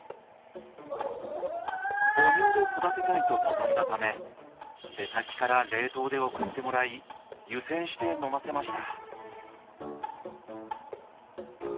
母乳で育てたいと望んだため出先から冷凍で送ってもらい湯煎して飲ませました